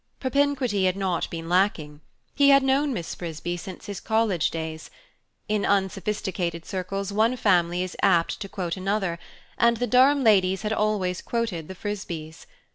Propinquity had not been lacking: he had known Miss Frisbee since his college days. In unsophisticated circles, one family is apt to quote another; and the Durham ladies had always quoted the Frisbees.